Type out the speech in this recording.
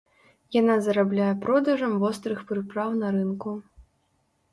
Яна зарабляе продажам вострых прыпраў на рынку.